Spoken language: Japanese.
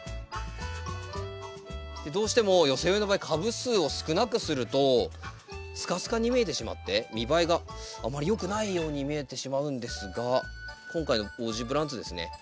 どうしても寄せ植えの場合株数を少なくするとスカスカに見えてしまって見栄えがあまりよくないように見えてしまうんですが今回のオージープランツですね